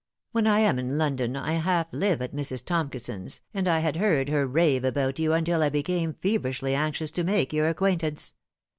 When I am in London I half live at Mrs. Tomkison's and I had heard her rave about you until I became 174 The Fatal Three. feverishly anxious to make your acquaintance.